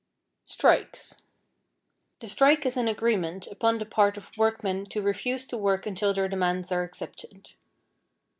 =Strikes.= The strike is an agreement upon the part of workmen to refuse to work until their demands are accepted.